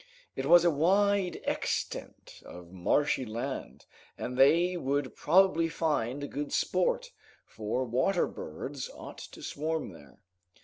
It was a wide extent of marshy land, and they would probably find good sport, for water birds ought to swarm there.